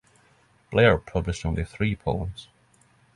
Blair published only three poems.